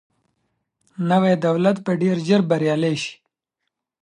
نوی دولت به ډیر ژر بریالی سي.